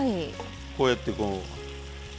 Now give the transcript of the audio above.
こうやってこう。